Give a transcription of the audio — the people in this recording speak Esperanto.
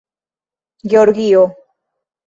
georgio